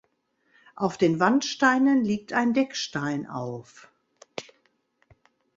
Auf den Wandsteinen liegt ein Deckstein auf.